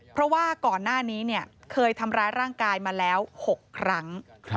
เพราะว่าก่อนหน้านี้เคยทำร้ายร่างกายมาแล้ว๖ครั้ง